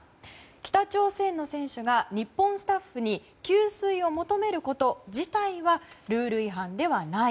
北朝鮮の選手が日本スタッフに給水を求めること自体はルール違反ではない。